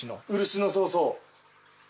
漆のそうそう。